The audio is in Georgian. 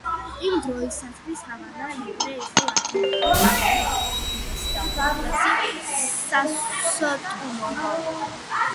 იმ დროისათვის ჰავანა ლიბრე იყო ლათინური ამერიკის უდიდესი და უმაღლესი სასტუმრო.